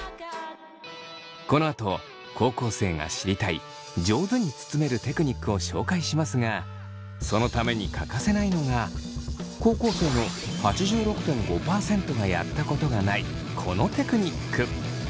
このあと高校生が知りたい上手に包めるテクニックを紹介しますがそのために欠かせないのが高校生の８６．５％がやったことがないこのテクニック。